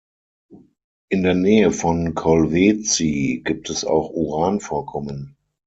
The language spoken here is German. In der Nähe von Kolwezi gibt es auch Uranvorkommen.